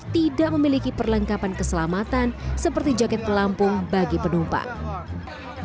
tidak memiliki perlengkapan keselamatan seperti jaket pelampung bagi penumpang